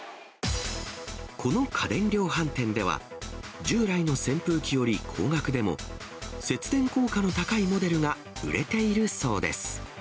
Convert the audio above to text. この家電量販店では、従来の扇風機より高額でも、節電効果の高いモデルが売れているそうです。